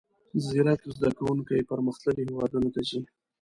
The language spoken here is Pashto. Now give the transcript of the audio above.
زیرک زده کوونکي پرمختللیو هیوادونو ته ځي.